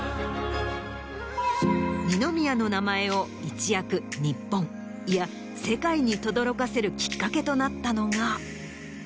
二宮の名前を一躍日本いや世界に轟かせるきっかけとなったのが。